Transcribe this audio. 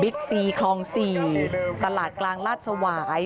ซีคลอง๔ตลาดกลางลาดสวาย